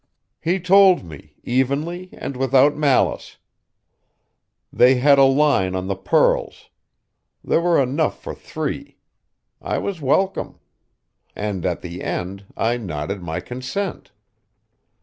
"He told me, evenly and without malice. They had a line on the pearls; there were enough for three. I was welcome. And at the end, I nodded my consent.